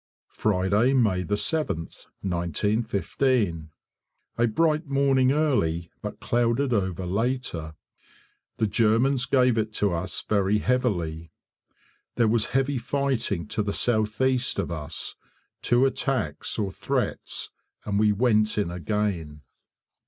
Friday, May 7th, 1915. A bright morning early, but clouded over later. The Germans gave it to us very heavily. There was heavy fighting to the south east of us. Two attacks or threats, and we went in again.